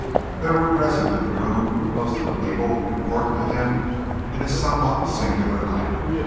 There were present in the room most of the people important to him in his somewhat singular life.